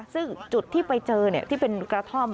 ซึ่งจุดที่ไปเจอที่เป็นกระท่อม